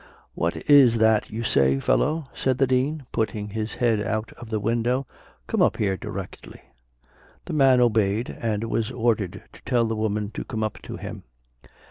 "What is that you say, fellow?" said the dean, putting his head out of the window; "come up here directly." The man obeyed him, and was ordered to tell the woman to come up to him.